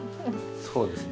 そうですね。